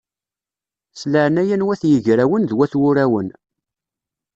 S leɛnaya n wat yigrawen d wat wurawen!